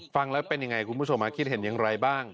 ฟังแล้วเป็นยังไงคุณผู้ชมคิดเห็นอย่างไรบ้าง